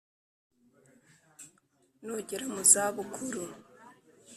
nugera mu za bukuru